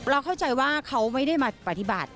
เข้าใจว่าเขาไม่ได้มาปฏิบัติ